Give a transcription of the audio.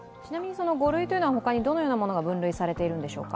５類というのは他にどのようなものが分類されているんでしょうか？